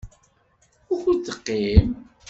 Wukud teqqim?